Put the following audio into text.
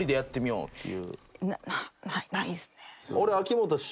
ななないですね。